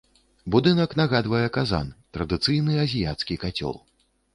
Будынак нагадвае казан, традыцыйны азіяцкі кацёл.